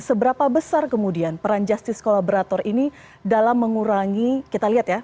seberapa besar kemudian peran justice kolaborator ini dalam mengurangi kita lihat ya